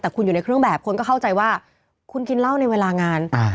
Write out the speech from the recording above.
แต่คุณอยู่ในเครื่องแบบคนก็เข้าใจว่าคุณกินเหล้าในเวลางาน